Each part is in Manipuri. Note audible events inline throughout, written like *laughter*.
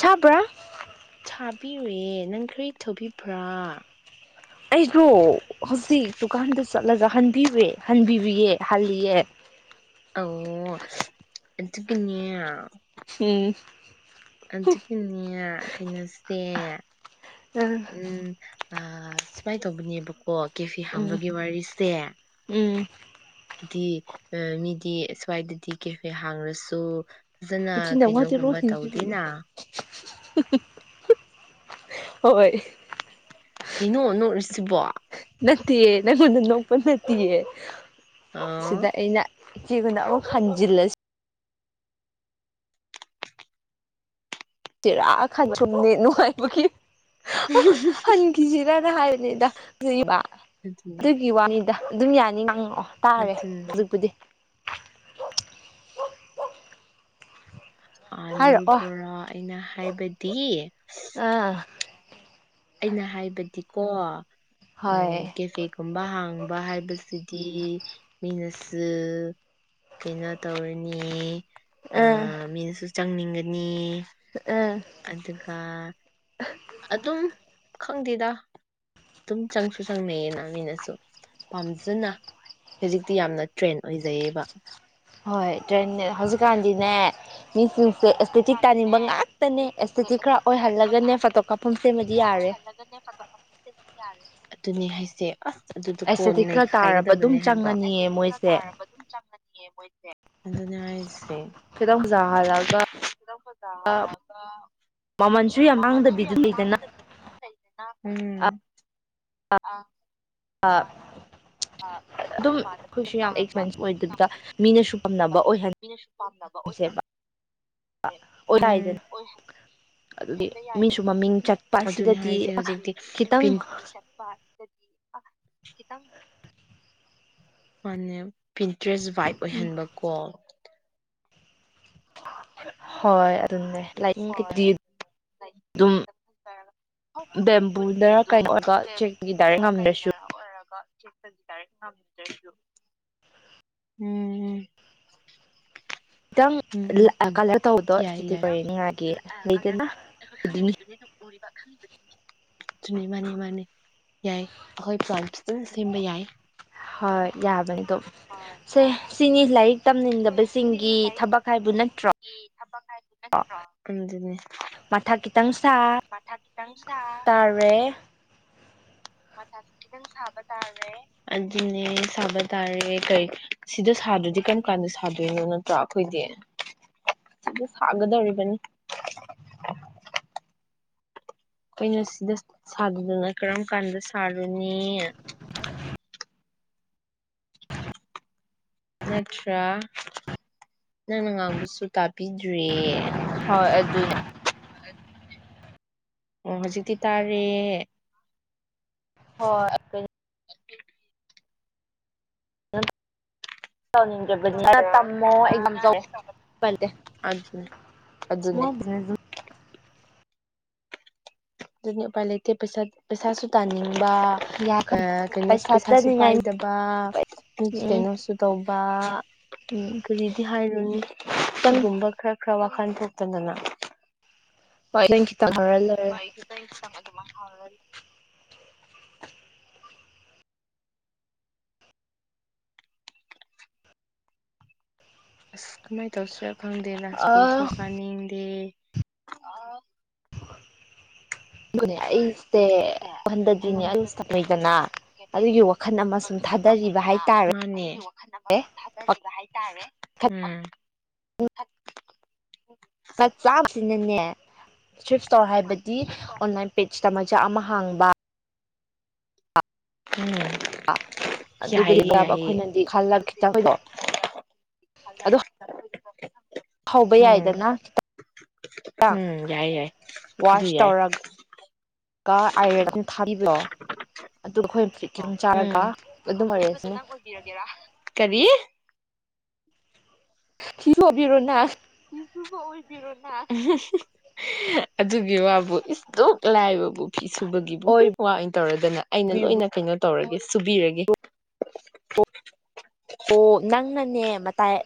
ꯆꯕ꯭ꯔꯥ ꯊꯥꯕꯤꯔꯨꯦ ꯅꯪ ꯈꯔ ꯊꯨꯕꯤꯕ꯭ꯔꯥ ꯑꯩꯗꯣ ꯍꯧꯖꯤꯛ ꯗꯨꯀꯥꯟꯗ ꯆꯠꯂꯒ ꯍ ꯄꯤꯕ ꯍꯟꯕꯤꯕꯌꯦ ꯍꯜꯂꯤꯌꯦ ꯑꯣ ꯑꯠꯇ ꯄꯨꯅ ꯎꯝ ꯑꯗꯨꯛꯀꯤꯅꯦ ꯈꯩꯅꯁꯦ ꯎꯝ ꯑ ꯁꯨꯃꯥꯏꯅ ꯇꯧꯕꯅꯦꯕꯀꯣ ꯑꯣ ꯀꯦꯐꯤ ꯎꯝ ꯍꯥꯝꯕꯒꯤ ꯋꯥꯔꯤꯁꯦ ꯎꯝ ꯍꯥꯏꯗꯤ ꯃꯤꯗꯤ ꯁ꯭ꯋꯥꯏꯗꯗꯤ ꯀꯦꯐꯦ ꯍꯥꯡꯂꯁꯨ ꯐꯖꯅ ꯅꯆꯤꯟ ꯅꯅꯥꯎ ꯋꯥꯗꯦꯔꯣ ꯀꯩꯅꯣꯒꯨꯝꯕ ꯁꯤꯟꯁꯤꯔꯤꯌꯦ ꯇꯧꯗꯦꯅ ꯍꯣꯏ ꯀꯩꯅꯣ ꯅꯣꯛꯔꯤꯁꯤꯕꯣ ꯅꯪꯣꯟ ꯅ ꯅꯣꯛ ꯅꯑ ꯁꯤꯗꯥꯏ ꯏꯩꯅꯩꯅ ꯀꯟꯅ ꯍꯥꯟꯖꯤꯜꯂꯁꯤ ꯆꯔꯥ ꯈꯥꯖꯨꯝ ꯅ ꯅꯅꯨꯡꯉꯥꯏꯕꯨ ꯍꯪꯈꯤꯁꯤ ꯅꯅ ꯍꯥꯏ ꯑꯗ ꯂꯩꯕ ꯑꯗꯨꯅꯤ ꯑꯗꯨꯒꯤ ꯋꯥꯅꯤꯗ ꯑꯗꯨꯝ ꯌꯥꯅꯤ ꯉꯥꯡꯉꯛꯑꯣ ꯇꯥꯔꯦ ꯑꯗꯨꯅꯤ ꯍꯧꯖꯤꯛꯄꯨꯗꯤ ꯍꯥꯏꯔꯛꯑꯣ ꯑꯗꯨꯄꯨꯔꯣ ꯑꯩꯅ ꯍꯥꯏꯕꯗꯤ ꯑꯥ ꯑꯩꯅ ꯍꯥꯏꯕꯗꯤꯀꯣ ꯍꯣꯏ ꯎꯝ ꯀꯦꯐꯦꯒꯨꯝꯕ ꯍꯥꯡꯕ ꯍꯥꯏꯕꯁꯤꯗꯤ ꯃꯤꯅꯁꯨ ꯀꯩꯅꯣ ꯇꯧꯔꯅꯤ ꯑ ꯑꯥ ꯃꯤ ꯆꯪꯅꯤꯡꯒꯅꯤ ꯑꯥ ꯑꯗꯨꯒ ꯑꯗꯨꯝ ꯈꯪꯗꯦꯗ ꯑꯗꯨꯝ ꯆꯪꯁꯨ ꯆꯪꯅꯩꯌꯦꯅ ꯃꯤꯅꯁꯨ ꯄꯥꯝꯖꯅ ꯍꯧꯖꯤꯛꯇꯤ ꯌꯥꯝꯅ ꯇ꯭ꯔꯦꯟ ꯑꯣꯏꯖꯩꯌꯦꯕ ꯍꯣꯏ ꯇ꯭ꯔꯦꯟ ꯍꯧꯖꯤꯛꯀꯥꯟꯗꯤꯅꯦ ꯍꯣꯏ ꯃꯤꯁꯤꯡꯁꯦ ꯗ꯭ꯔꯦꯁꯅꯦ ꯑꯦꯁꯇꯦꯇꯤꯛ ꯍꯧꯖꯤꯛꯀꯥꯟꯗꯤꯅꯦ ꯇꯥꯅꯤꯡꯕ ꯉꯥꯛꯇꯅꯦ ꯑꯦꯁꯇꯦꯇꯤꯛ ꯈꯔ ꯑꯦꯁꯊꯦꯇꯤꯛ ꯇꯥꯅꯤꯡꯕ ꯑꯣꯏꯍꯜꯂꯒꯅꯦ ꯐꯣꯇꯣ ꯉꯥꯛꯇꯅꯤ ꯀꯥꯞꯐꯝ ꯑꯦꯁꯊꯦꯇꯤꯛ ꯁꯦꯝꯃꯗꯤ ꯈꯔ ꯌꯥꯔꯦ ꯑꯣꯏꯍꯜꯂꯒꯅꯦ ꯐꯖꯕ ꯄꯨꯟꯁꯤꯟꯕꯗꯤ ꯌꯥꯔꯦ ꯑꯗꯨꯅꯦ ꯍꯥꯏꯁꯦ ꯑꯁ ꯑꯗꯨꯗ ꯀꯣ ꯑꯦꯁꯊꯦꯇꯤꯛ ꯈꯔ ꯇꯥꯔꯕ ꯑꯗꯨꯝ ꯅꯩꯈꯥꯏꯒꯗꯕꯅꯦ ꯍꯥꯏꯕ ꯆꯪꯉꯅꯤꯌꯦ ꯃꯣꯏꯁꯦ ꯃꯣꯏꯁꯦ ꯑꯗꯨꯅꯦ ꯍꯥꯏꯁꯦ ꯈꯤꯇꯪ ꯐꯖꯍꯜꯂꯒ ꯂꯒ ꯃꯃꯜꯁꯨ ꯌꯥꯝ ꯃꯃꯟꯁꯨ ꯇꯥꯡꯗꯕꯤꯗꯨ ꯌꯥꯝ ꯂꯩꯗꯅ ꯇꯥꯡꯗꯅꯤ ꯆꯨꯝ ꯂꯩ *unintelligible* ꯎꯝ *unintelligible* ꯑꯥꯠ *unintelligible* ꯑꯦꯛꯁꯄꯦꯟꯁ ꯑꯣꯏꯗꯕꯤꯗ ꯃꯤꯅꯁꯨ ꯄꯥꯝꯅꯕ ꯑꯣꯏꯍꯟꯁꯦꯕ ꯑꯣꯏꯇꯥꯔꯦꯗꯅ ꯎꯝ *unintelligible* ꯃꯤꯁꯨ ꯃꯃꯤꯡ ꯆꯠꯄ ꯑꯗꯨꯅꯦ ꯁꯤꯗꯗꯤ ꯍꯥꯏꯁꯦ ꯍꯧꯖꯤꯛꯇꯤ ꯈꯤꯇꯪ ꯄꯤꯟ *unintelligible* ꯃꯥꯅꯦ ꯄꯤꯟ ꯗ꯭ꯔꯦꯁ ꯕꯥꯏꯞ ꯑꯣꯏꯍꯟꯕꯀꯣ *inaudible* ꯍꯣꯏ *unintelligible* *unintelligible* ꯑꯗꯨꯅꯦ ꯂꯥꯏꯅꯤꯡꯒꯤꯗꯤ ꯑꯗꯨꯝ ꯕꯦꯝꯕꯨꯗꯔ ꯀꯩꯅꯣ ꯑꯣꯏꯔꯒ ꯆꯦꯛꯒꯤ ꯗꯥꯏꯔꯦꯛ ꯉꯝꯗ꯭ꯔꯁꯨ ꯎꯝ ꯈꯤꯇꯪ ꯎꯝ ꯎꯝ ꯂꯥꯏꯠ ꯎꯝ ꯀꯂꯔ ꯇꯧꯕꯗꯣ ꯌꯥꯏ ꯌꯥꯏ ꯑꯗꯨꯅꯤ *unintelligible* ꯂꯩꯗꯅ ꯑꯗꯨꯅꯤ *unintelligible* ꯑꯗꯨꯅꯦ ꯃꯥꯅꯤ ꯃꯥꯅꯤ ꯌꯥꯏ ꯑꯩꯈꯣꯏ ꯄꯂꯥꯟ ꯍꯣꯏ ꯌꯥꯕꯅꯤ ꯑꯗꯣ ꯁꯦ ꯁꯤꯅꯤ ꯂꯥꯏꯔꯤꯛ *unintelligible* ꯁꯤꯅꯤ ꯇꯝꯅꯤꯡꯗꯕꯁꯤꯡꯒꯤ ꯂꯥꯏꯔꯤꯛ ꯊꯕꯛ ꯍꯥꯏꯕꯨ ꯅꯠꯇ꯭ꯔꯣ ꯇꯝꯅꯤꯡꯗꯕꯁꯤꯡꯒꯤ ꯊꯕꯛ ꯍꯥꯏꯕꯨ ꯅꯠꯇ꯭ꯔꯣ ꯑꯗꯨꯅꯦ ꯃꯊꯥ ꯈꯤꯇꯪ ꯁꯥ ꯃꯊꯥ ꯈꯤꯇꯪ ꯁꯥ ꯇꯥꯔꯦ ꯃꯊꯥ ꯈꯤꯇꯪ ꯁꯥꯕꯇꯥꯔꯦ ꯑꯗꯨꯅꯦ ꯁꯥꯕꯇꯥꯔꯦ ꯀꯩ ꯁꯤꯗ ꯁꯥꯗ꯭ꯔꯗꯤ ꯀꯔꯝ ꯀꯥꯟꯗ ꯁꯥꯗꯣꯏꯅꯣ ꯅꯠꯇ꯭ꯔꯣ ꯑꯩꯈꯣꯏꯗꯤ ꯁꯤꯗ ꯁꯥꯒꯗꯧꯔꯤꯕꯅꯤ *inaudible* ꯑꯈꫭꯏꯅ ꯁꯤꯗ ꯁꯥꯗꯗꯅ ꯀꯔꯝ ꯀꯥꯟꯗ ꯁꯥꯔꯨꯅꯤ *inaudible* *unintelligible* ꯅꯠꯇ꯭ꯔꯥ ꯅꯪꯅ ꯉꯥꯡꯕꯁꯨ ꯇꯥꯕꯤꯗ꯭ꯔꯦ ꯍꯣꯏ ꯑꯗꯨꯅꯦ ꯑꯣ ꯍꯧꯖꯤꯛꯇꯤ ꯇꯥꯔꯦ ꯍꯣꯏ *unintelligible* ꯑꯗꯨꯒꯤ *unintelligible* ꯑꯗꯨꯅꯦ ꯑꯗꯨꯅꯦ *unintelligible* ꯑꯗꯨꯅꯦ ꯎꯄꯥꯏ ꯂꯩꯇ ꯄꯩꯁꯥ ꯄꯩꯁꯥꯁꯨ ꯇꯥꯅꯤꯡ ꯕ ꯑ ꯌꯥꯈꯅꯤ ꯀꯩꯅꯣꯁꯨ ꯄꯩꯁꯥ ꯄꯩꯁꯥꯁꯨ ꯊꯥꯅꯤꯡꯉꯥꯏ ꯄꯥꯏꯗꯕ ꯃꯤꯒꯤ ꯎꯝ ꯀꯩꯅꯣꯁꯨ ꯇꯧꯕ ꯎꯝ ꯀꯔꯤꯗꯤ ꯍꯥꯏꯔꯨꯅꯤ ꯈꯤꯇꯪ ꯁꯤꯒꯨꯝꯕ ꯈꯔ ꯈꯔ ꯋꯥꯈꯜ ꯊꫭꯛꯇꯗꯅ ꯍꫭꯏ ꯅꯪꯒꯤ ꯍꯣꯏ *unintelligible* ꯑꯗꯨꯃ *unintelligible* ꯑꯁ ꯀꯃꯥꯏ ꯇꯧꯁꯤ ꯈꯪꯗꯦꯅꯪ ꯁ꯭ꯀꯨꯜꯁꯨ ꯑ ꯀꯥꯅꯤꯡꯗꯦ *unintelligible* ꯑ *unintelligible* ꯃꯅꯦ ꯑꯩ *unintelligible* *unintelligible* ꯂꯩꯗꯅ ꯑꯗꯨꯒꯤ ꯋꯥꯈꯜ ꯑꯃ ꯁꯨꯝ ꯊꯥꯗꯔꯤꯕ ꯍꯥꯏꯇꯥꯔꯦ ꯑꯦ ꯎꯝ *unintelligible* ꯃ ꯆꯥ *unintelligible* ꯑꯩꯅꯅꯦ ꯁꯋꯤꯐ ꯇꯧꯔ ꯍꯥꯏꯕꯗꯤ ꯑꯣꯟꯂꯥꯏꯟ ꯄꯦꯖ ꯃꯆꯥ ꯑꯃ ꯍꯥꯡꯕ ꯎꯝ ꯑꯗꯨꯒꯗꯤ ꯌꯥꯏꯌꯦ ꯃ ꯌꯥꯏꯌꯦ ꯑꯩꯈꯣꯏꯅꯗꯤ ꯈꯜꯂ ꯈꯤꯇꯪꯈꯗꯣ ꯑꯗꯨ ꯑꯣ ꯍꯧꯕ ꯌꯥꯏꯗꯅ ꯈꯤꯇꯪ ꯈꯤꯪ ꯎꯝ ꯌꯥꯏ ꯌꯥꯏ ꯑꯗꯨ ꯋꯥꯁ ꯌꯥꯏ ꯇꯧꯔꯒ ꯑꯥꯏꯔꯟ ꯊꯥꯕꯤꯕꯔꯣ ꯑꯗꯨꯈꯣꯏ ꯑꯣ ꯎꯝ ꯑꯗꯨꯒ ꯈꯨꯕꯗꯣ ꯅꯪ ꯑꯣꯏꯕꯤꯔꯒꯦꯔꯥ ꯀꯔꯤ ꯅꯪ ꯍꯣꯕꯤꯔꯣꯅꯥ ꯐꯤꯁꯨꯕ ꯑꯣꯏꯕꯤꯔꯣꯅ ꯑꯗꯨꯒꯤ ꯋꯥꯕꯨ ꯏꯁꯇꯣꯛ ꯂꯥꯏꯕꯕꯨ ꯐꯤꯁꯨ ꯁꯨꯕꯒꯤꯕꯨ ꯋꯥ ꯑꯣꯏꯅ ꯇꯧꯔꯗꯅ ꯑꯩꯅ ꯑꯣꯏꯕꯤꯔꯣ ꯂꯣꯏꯅ ꯀꯩꯅꯣ ꯇꯧꯔꯒꯦ ꯁꯨꯕꯤꯔꯒꯦ ꯑꯣ ꯅꯪꯅꯅꯦ ꯃꯇꯥꯏ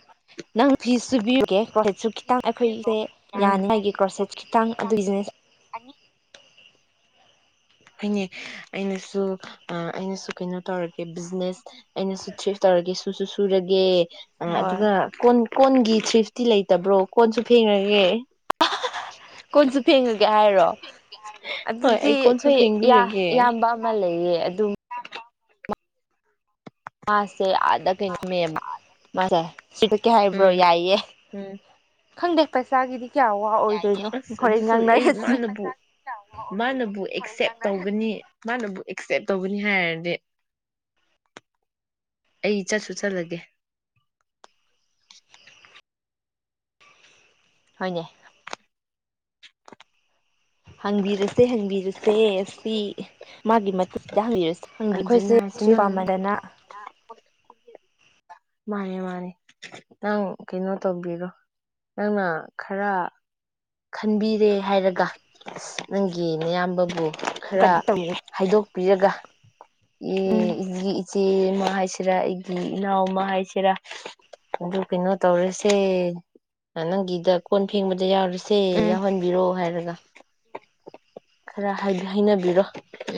ꯅꯪ ꯐꯤ ꯁꯨꯕꯤꯌꯨꯒꯦ ꯁꯨ ꯈꯤꯇꯪ ꯑꯩꯈꯣꯏꯁꯦ ꯎꯝ ꯌꯥꯅꯤꯉ ꯑꯩꯒꯤ ꯒ꯭ꯔꯣꯁꯦꯠꯁ ꯈꯤꯇꯪ ꯑꯗꯨ ꯕꯤꯖꯤꯅꯦꯁ ꯍꯥꯏꯅꯦ ꯑꯩꯅꯁꯨ ꯑꯩꯅꯁꯨ ꯀꯩꯅꯣ ꯇꯧꯔꯒꯦ ꯕꯤꯖꯤꯅꯦꯁ ꯑꯩꯅꯁꯨ ꯆꯤꯐ ꯇꯧꯔꯒꯦꯁꯨ ꯁꯨꯁꯨ ꯁꯨꯔꯒꯦ ꯑ ꯍꯣꯏ ꯑꯗꯨꯒ ꯀꯣꯟ ꯀꯣꯟꯒꯤ ꯊ꯭ꯔꯤꯐꯇꯤ ꯂꯩꯇꯕ꯭ꯔꯣ ꯀꯣꯟꯁꯨ ꯐꯦꯡꯉꯒꯦ ꯀꯣꯟꯁꯨ ꯐꯦꯡꯉꯒꯦ ꯍꯥꯏꯔꯣ ꯍꯣꯏ ꯑꯗꯨꯗꯤ ꯑꯩ ꯀꯣꯟꯁꯨ ꯑꯩꯈꯣꯏ ꯐꯦꯡꯕꯤꯔꯒꯦ ꯏꯌꯥꯝꯕ ꯑꯃ ꯂꯩꯌꯦ ꯑꯗꯨꯝ ꯑ ꯁꯦ ꯑꯥꯗ ꯀꯩꯅꯣꯝꯃꯦꯕ ꯃꯥꯁꯦ ꯁꯤꯗ ꯀꯩ ꯍꯥꯏꯕ꯭ꯔꯣ ꯎꯝ ꯌꯥꯏꯑꯦ ꯎꯝ ꯈꯪꯗꯦ ꯄꯩꯁꯥꯒꯤꯗꯤ ꯀꯌꯥ ꯋꯥ ꯑꯣꯏꯗꯣꯏꯅꯣ ꯑꯁ ꯍꯣꯔꯦꯟ ꯑꯗꯨꯁꯨ ꯑꯩ ꯉꯥꯡꯅꯔꯁꯤ ꯃꯥꯅꯕꯨ ꯃꯥꯅꯕꯨ ꯑꯦꯛꯁꯦꯞ ꯇꯧꯒꯅꯤ ꯃꯥꯅꯕꯨ ꯑꯦꯛꯁꯦꯞ ꯇꯧꯒꯅꯤ ꯍꯥꯏꯔꯗꯤ ꯑꯩ ꯆꯠꯁꯨ ꯆꯠꯂꯒꯦ ꯍꯣꯏꯅꯦ ꯍꯪꯕꯤꯔꯁꯦ ꯍꯪꯕꯤꯔꯁꯦ ꯁꯤ ꯃꯥꯒꯤ ꯃꯊꯛꯁꯤꯗ ꯍꯪꯕꯤꯔꯁꯦ ꯍꯪꯕꯤ ꯑꯩꯈꯣꯏꯁꯦ ꯑꯗꯨꯅ ꯍꯥꯏꯁꯦ ꯁꯤꯔꯤ ꯅꯪ ꯄꯃꯗꯅ ꯃꯥꯅꯦ ꯃꯥꯅꯦ ꯅꯪ ꯀꯩꯅꯣ ꯇꯧꯕꯤꯔꯣ ꯅꯪꯅ ꯈꯔ ꯈꯟꯕꯤꯔꯦ ꯍꯥꯏꯔꯒ ꯑꯁ ꯅꯪꯒꯤ ꯑꯌꯥꯝꯕꯕꯨ ꯈꯔ ꯀꯩꯅꯣ ꯇꯧꯅꯤ ꯍꯥꯏꯗꯣꯛ ꯄꯤꯔꯒ ꯎꯝ ꯑꯦ *unintelligible* ꯑꯃ ꯍꯥꯏꯁꯤꯔꯥ ꯑꯩꯒꯤ ꯏꯅꯥꯎ ꯑꯃ ꯍꯥꯏꯁꯤꯔꯥ ꯑꯗꯨ ꯀꯩꯅꯣ ꯇꯧꯔꯁꯦ ꯅꯪꯒꯤꯗ ꯀꯣꯟ ꯐꯦꯡꯕꯗ ꯌꯥꯎꯔꯁꯦ ꯁꯦ ꯎꯝ ꯌꯥꯎꯍꯟꯕꯤꯔꯣ ꯍꯥꯏꯔꯒ ꯈꯔ ꯍꯥꯏꯅꯕꯤꯔꯣ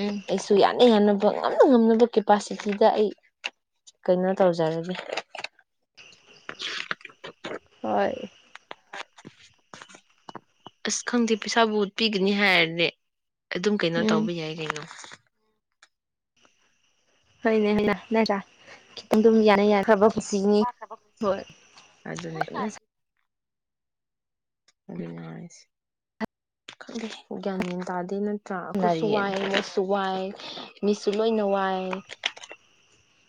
ꯎꯝ ꯑꯩꯁꯨ ꯌꯥꯅ ꯌꯥꯅ ꯉꯝꯅ ꯉꯝꯅꯕ ꯀꯦꯄꯥꯁꯤꯇꯤꯗ ꯑꯩ ꯀꯩꯅꯣ ꯇꯧꯖꯔꯒꯦ ꯍꯣꯏ *inaudible* ꯑꯁ ꯈꯪꯗꯦ ꯄꯩꯁꯥꯕꯨ ꯄꯤꯒꯅꯤ ꯍꯥꯏꯔꯗꯤ ꯑꯗꯨꯝ ꯀꯩꯅꯣ ꯎꯝ ꯇꯧꯕ ꯌꯥꯏ ꯀꯩꯅꯣ ꯍꯣꯏꯅꯦ ꯍꯣꯏꯅ ꯅꯔꯥ ꯈꯤꯇꯪ ꯑꯗꯨꯝ ꯌꯥꯅ ꯌꯥꯟꯅꯕ ꯑꯗꯨꯅꯤ ꯀꯟꯅ ꯑꯗꯨꯅꯤ ꯍꯥꯏꯁꯦ ꯈꯪꯗꯦ ꯒꯌ꯭ꯥꯟ ꯃꯦꯟ ꯇꯥꯗꯦ ꯅꯡ ꯅꯇ꯭ꯔꯥ ꯑꯩꯈꯣꯏꯁꯨ ꯁꯥꯟꯅꯔꯤꯌꯦ ꯋꯥꯏ ꯅꯁꯨ ꯋꯥꯏ ꯃꯤꯁꯨ ꯂꯣꯏꯅ ꯋꯥꯏ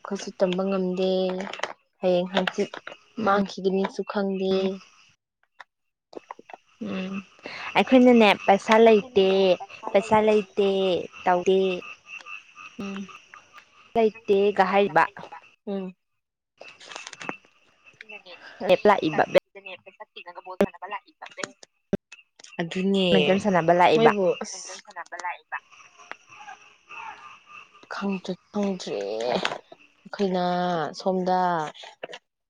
ꯈꯠꯁꯨ ꯇꯝꯕ ꯉꯝꯗꯦ ꯍꯌꯦꯡ ꯍꯪꯆꯤꯠ ꯎꯝ ꯃꯥꯡꯈꯤꯒꯅꯤꯁꯨ ꯈꯪꯗꯦ ꯎꯝ ꯎꯝ ꯑꯩꯈꯣꯏꯅꯅꯦ ꯄꯩꯁꯥ ꯂꯩꯇꯦ ꯄꯩꯁꯥ ꯂꯩꯇꯦ ꯇꯧꯗꯦ ꯎꯝ ꯂꯩꯇꯦꯒ ꯍꯥꯏꯕ *unintelligible* ꯁꯤꯗꯒ ꯕꯣꯜ ꯁꯥꯅꯕ ꯂꯛꯏꯕ ꯑꯗꯨꯅꯦ ꯕꯦꯠꯃꯤꯟꯇꯟ ꯁꯥꯟꯅꯕ ꯂꯥꯛꯏꯕ ꯃꯣꯏꯕꯨ ꯂꯥꯛꯏꯕ ꯈꯪꯗ꯭ꯔꯦ ꯈꯪꯗꯔꯦ ꯑꯩꯈꯣꯏꯅ ꯁꯣꯝꯗ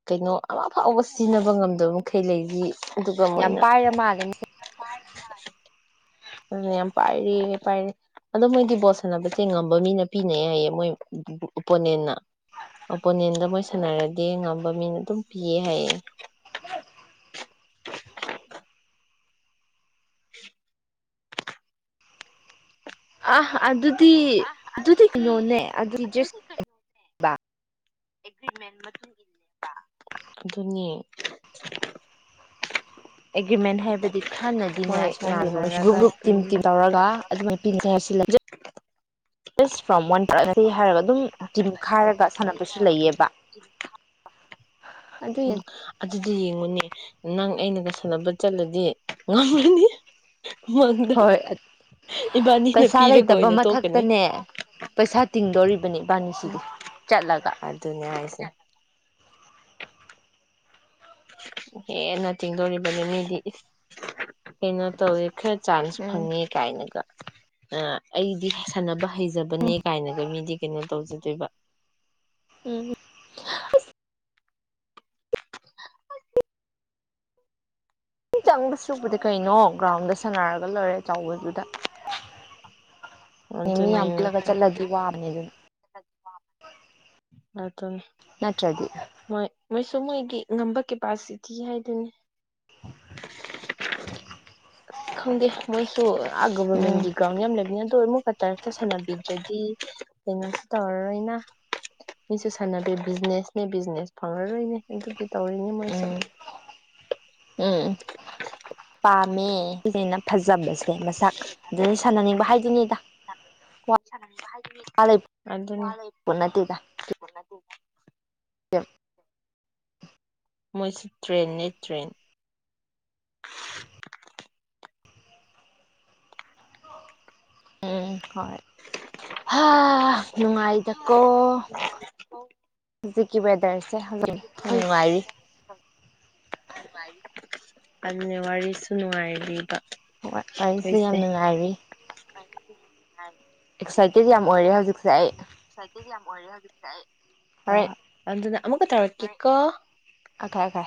ꯀꯩꯅꯣ ꯑꯃꯐꯥꯎꯕ ꯁꯤꯖꯤꯟꯅꯕ ꯉꯝꯗꯕ ꯃꯈꯩ ꯂꯩꯔꯤ ꯑꯗꯨꯒ ꯌꯥꯝ ꯃꯣꯏꯅ ꯄꯥꯏꯔ ꯃꯥꯜꯂꯦ ꯑꯗꯨ ꯌꯥꯝ ꯄꯥꯏꯔꯦ ꯄꯥꯏꯔꯦ ꯑꯗꯣ ꯃꯣꯏꯗꯤ ꯕꯣꯠ ꯁꯥꯟꯅꯕꯁꯦ ꯉꯝꯕ ꯃꯤꯅ ꯄꯤꯅꯩ ꯍꯥꯏꯌꯦ ꯃꯣꯏ ꯑꯣꯄꯣꯅꯦꯟꯅ ꯎꯄꯣꯅꯦꯟꯠꯗꯣ ꯃꯣꯏ ꯁꯥꯟꯅꯔꯗꯤ ꯉꯝꯕ ꯃꯤꯅ ꯑꯗꯨꯝ ꯄꯤꯌꯦ ꯍꯥꯏꯌꯦ *inaudible* ꯑ ꯑꯗꯨ *unintelligible* ꯑꯗꯨꯗꯤ ꯀꯩꯅꯣꯅꯦ ꯑꯗꯨꯗꯤ ꯖꯁ ꯑꯦꯆꯤꯄꯃꯦꯟ ꯃꯇꯨꯡ ꯏꯅ ꯑꯗꯨꯅꯤ *inaudible* ꯑꯦꯒ꯭ꯔꯤꯃꯦꯟ ꯍꯥꯏꯕꯗꯤ ꯈꯔꯅꯗꯤꯅꯦ ꯃꯣꯏ ꯑꯁꯨꯃꯥꯏꯅ ꯂꯩꯕ ꯒ꯭ꯔꯨꯞ ꯌꯥꯅꯔꯒ ꯒ꯭ꯔꯨꯞ ꯄꯤ ꯇꯤꯝ ꯇꯤꯝ ꯇꯧꯔꯒ ꯑꯗꯨꯃꯥꯏꯅ ꯄꯤ *unintelligible* *unintelligible* *inaudible* *unintelligible* ꯏꯁ ꯐ꯭ꯔꯣꯝ ꯋꯥꯟ *inaudible* ꯄꯥꯔꯠꯅꯔꯁꯤ ꯍꯥꯏꯔꯒ ꯑꯗꯨꯝ ꯇꯤꯝ ꯈꯥꯏꯔꯒ ꯁꯥꯟꯅꯕꯁꯨ ꯂꯩꯌꯦꯕ ꯑꯗꯨꯏ ꯎꯝ ꯑꯗꯨꯗꯤ ꯌꯦꯡꯉꯨꯅꯦ ꯅꯪ ꯑꯩꯅꯒ ꯁꯥꯟꯅꯕ ꯆꯠꯂꯗꯤ ꯉꯝꯒꯅꯤ ꯃꯪꯗ ꯍꯣꯏ ꯏꯕꯥꯅꯤꯅ ꯄꯩꯁꯥ ꯄꯤꯔꯒ ꯂꯩꯇꯕ ꯑꯣꯏꯅ ꯇꯣꯛꯀꯅꯤ ꯃꯊꯛꯇꯅꯦ ꯄꯩꯁꯥ ꯇꯤꯡꯗꯣꯔꯤꯕꯅꯤ ꯏꯕꯥꯅꯤꯁꯤꯗꯤ ꯆꯠꯂꯒ ꯑꯗꯨꯅꯦ ꯍꯥꯏꯁꯦ ꯍꯦꯟꯅ ꯇꯤꯡꯗꯣꯔꯤꯕꯅꯤ ꯃꯤꯗꯤ ꯀꯩꯅꯣ ꯇꯧꯋꯦ ꯈꯔ ꯆꯥꯟꯁ ꯎꯝ ꯐꯪꯉꯦ ꯀꯥꯏꯅꯒ ꯑꯩꯗꯤ ꯁꯥꯟꯅꯕ ꯍꯩꯖꯕꯅꯦ ꯀꯥꯏꯅꯒ ꯃꯤꯗꯤ ꯀꯩꯅꯣ ꯇꯧꯖꯗꯣꯏꯕ ꯎꯝ ꯆꯪꯕ ꯁꯨꯕꯗ ꯀꯩꯅꯣ ꯒ꯭ꯔꯥꯎꯟꯗ ꯁꯥꯟꯅꯔꯒ ꯂꯣꯏꯔꯦ ꯆꯥꯎꯕꯗꯨꯗ ꯑꯣ ꯃꯤ ꯑꯗꯨꯅꯦ ꯄꯨꯜꯂꯒ ꯆꯠꯂꯗꯤ ꯋꯥꯕꯅꯦ ꯑꯗꯨꯅ ꯑꯇꯨꯅꯤ ꯅꯠꯇ꯭ꯔꯗꯤ ꯃꯣꯏ ꯃꯣꯏꯁꯨ ꯃꯣꯏꯒꯤ ꯉꯝꯕ ꯀꯦꯄꯥꯁꯤꯇꯤ ꯍꯥꯏꯗꯨꯅꯤ ꯈꯪꯗꯦ ꯃꯣꯏꯁꯨ ꯑꯥ ꯎꯝ ꯒꯣꯚꯔꯃꯦꯟꯠꯀꯤ ꯒꯔꯥꯎꯟ ꯃꯌꯥꯝ ꯂꯩꯕꯅꯦ ꯇꯣꯏ ꯃꯨꯛꯀ ꯇꯔꯛꯇ ꯁꯥꯟꯅꯒꯤꯞꯗꯒꯤ ꯀꯩꯅꯣꯁꯨ ꯇꯧꯔꯔꯣꯏꯅ ꯃꯤꯁꯨ ꯁꯥꯟꯅꯕꯦ ꯕꯤꯖꯤꯅꯦꯁꯅꯦ ꯕꯤꯖꯤꯅꯦꯁ ꯐꯪꯉꯔꯣꯏꯅꯦ ꯑꯗꯨꯝ ꯇꯧꯔꯤꯅꯤ ꯃꯣꯏꯁꯨ ꯎꯝ ꯎꯝ ꯃꯦ ꯅꯨꯄꯤ ꯒꯩꯅ ꯐꯖꯕꯁꯦ ꯃꯁꯥꯛ ꯑꯗꯨꯗꯩ ꯁꯥꯟꯅꯅꯤꯡꯕ ꯍꯥꯏꯗꯨꯅꯤꯗ ꯑꯗꯨꯅꯤ *inaudible* ꯅꯠꯇꯦꯗꯥ ꯃꯣꯏꯁꯨ ꯇ꯭ꯔꯦꯟ ꯅꯦ ꯇ꯭ꯔꯦꯟ ꯎꯝ ꯍꯣꯏ ꯍꯥ ꯅꯨꯡꯉꯥꯏꯗꯀꯣ ꯍꯧꯖꯤꯛꯀꯤ ꯋꯦꯗꯔꯁꯦ *unintelligible* ꯌꯥꯝ ꯍꯣꯏ ꯅꯨꯡꯉꯥꯏꯔꯤ ꯑꯗꯨꯅꯦ ꯋꯥꯔꯤꯁꯨ ꯅꯨꯡꯉꯥꯏꯔꯤꯕꯕ ꯍꯣꯏ ꯑꯩꯁꯦ ꯌꯥꯝ ꯅꯨꯡꯉꯥꯏꯔꯤ *inaudible* ꯑꯦꯛꯁꯥꯏꯇꯦꯠ ꯌꯥꯝ ꯑꯣꯏꯔꯦ ꯍꯧꯖꯤꯛꯁꯦ ꯑꯩ ꯁꯥꯏꯀꯦꯁꯦ ꯌꯥꯝ ꯑꯣꯏꯔꯦ ꯍꯧꯖꯤꯛꯇꯤ ꯑꯩ ꯑ ꯍꯣꯔꯦꯟ ꯑꯟꯖꯅ ꯑꯃꯨꯛ ꯀ ꯇꯩꯔꯛꯀꯦꯀꯣ ꯑꯣꯈꯦ ꯑꯣꯈꯦ